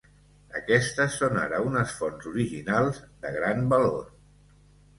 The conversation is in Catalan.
Aquestes són ara unes fonts originals de gran valor.